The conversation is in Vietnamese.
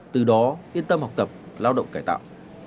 từ đó yên tâm học tập lao động cải tạo